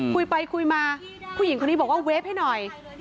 คุยไปคุยมาผู้หญิงคนนี้บอกว่าเวฟให้หน่อย